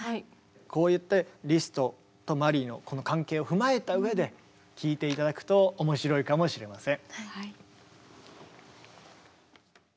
こうやってリストとマリーのこの関係を踏まえた上で聴いて頂くと面白いかもしれません。